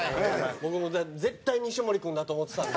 僕も、絶対、西森君だと思ってたんで。